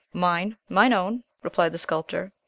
"Mine, mine own," replied the Sculptor.